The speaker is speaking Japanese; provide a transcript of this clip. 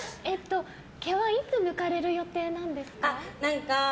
毛はいつ抜かれる予定なんですか？